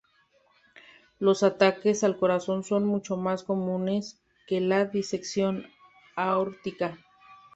Los ataques al corazón son mucho más comunes que la disección aórtica.